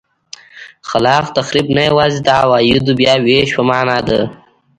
خلاق تخریب نه یوازې د عوایدو بیا وېش په معنا ده.